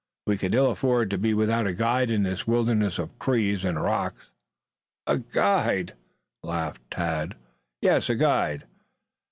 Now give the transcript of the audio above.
We can ill afford to be without a guide in this wilderness of trees and rocks." "A guide?" laughed Tad. "Yes, a guide."